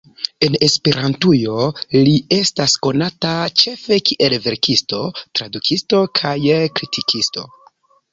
En Esperantujo, li estas konata ĉefe kiel verkisto, tradukisto kaj kritikisto.